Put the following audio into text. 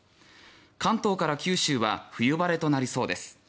関東から九州は冬晴れとなりそうです。